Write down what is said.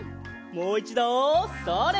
もういちどそれ！